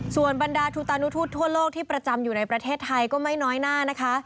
ส่วนบรรดาทูตานุทูตทั่วโลกที่ประจำอยู่ในประเทศไทยก็ไม่น้อยหน้านะคะ